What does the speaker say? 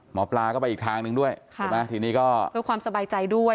หมอปลาก็ไปอีกทางหนึ่งด้วยเดี๋ยวความสบายใจด้วย